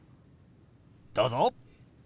どうぞ。